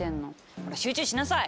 ほら集中しなさい！